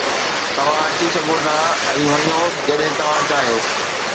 توهان اچي سگهو ٿا ۽ وڃو جڏهن توهان چاهيو